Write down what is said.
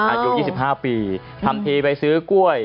อายุ๒๕ปีทำทีไปซื้อกล้วย